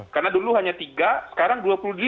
karena dulu hanya tiga sekarang dua puluh delapan